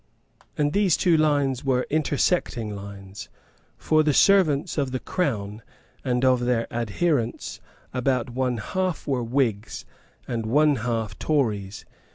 And these two great lines were intersecting lines. For of the servants of the Crown and of their adherents about one half were Whigs and one half Tories.